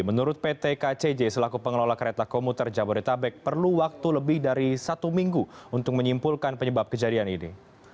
menurut pt kcj selaku pengelola kereta komuter jabodetabek perlu waktu lebih dari satu minggu untuk menyimpulkan penyebab kejadian ini